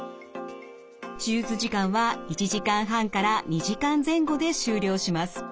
手術時間は１時間半から２時間前後で終了します。